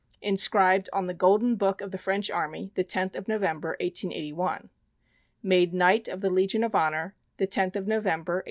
Inscribed on the Golden Book of the French Army the 10th of November, 1881. Made Knight of the Legion of Honor the 10th of November, 1881.